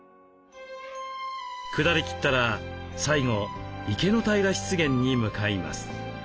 くだりきったら最後池の平湿原に向かいます。